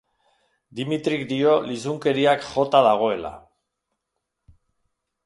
Dmitrik dio lizunkeriak jota dagoela.